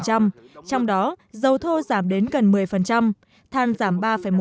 trong đó dầu thô giảm đến gần một mươi than giảm ba một